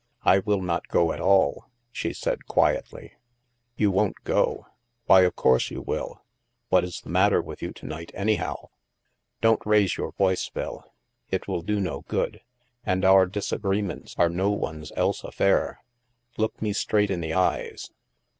" I will not go at all," she said quietly. "You won't go? Why, of course you will. What is the matter with you to night, anyhow ?" "Don't raise your voice, Phil. It will do no good. And our disagreements are no one's else affair. Look me straight in the eyes